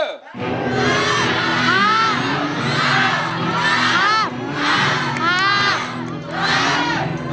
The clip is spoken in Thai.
ถูก